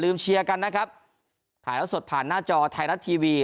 เชียร์กันนะครับถ่ายแล้วสดผ่านหน้าจอไทยรัฐทีวี